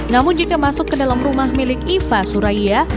namun jika masuk ke dalam rumah milik iva suraya